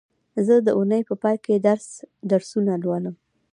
زه د اونۍ په پای کې درسونه لولم